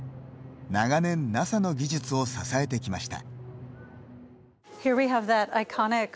長年ＮＡＳＡの技術を支えてきました。